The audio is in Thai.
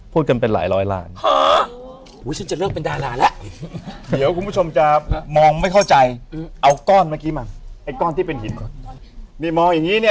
พูดกันเป็นหลายร้อยล่าง